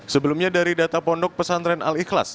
sebelumnya dari data pondok pesantren al ikhlas